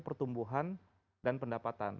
pertumbuhan dan pendapatan